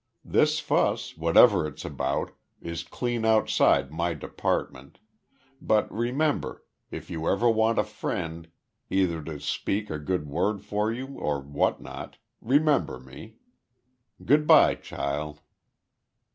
This fuss, whatever it's about, is clean outside my department, but remember, if ever you want a friend either to speak a good word for you or what not remember me. Good bye, child."